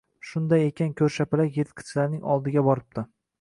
Shundan keyin¬ Ko‘rshapalak yirtqichlarning oldiga boribdi